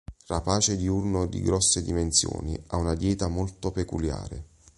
Rapace diurno di grosse dimensioni, ha una dieta molto peculiare.